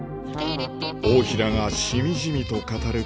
大平がしみじみと語る